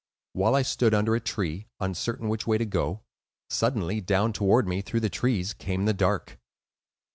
While I stood under a tree, uncertain which way to go, suddenly down toward me, through the trees, came the Dark."